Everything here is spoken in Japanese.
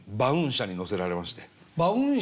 車に乗せられまして。